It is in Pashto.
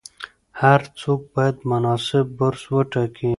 هر څوک باید مناسب برس وټاکي.